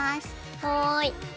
はい。